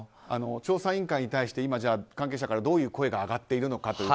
調査委員会に対して今、関係者からどういう声が上がっているのかと。